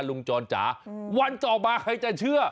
จรจ๋าวันต่อมาใครจะเชื่อ